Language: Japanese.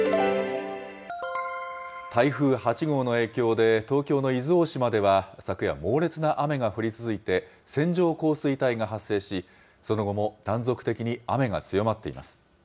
台風８号の影響で、東京の伊豆大島では昨夜、猛烈な雨が降り続いて、線状降水帯が発生し、その後も断続的に雨が強まっています。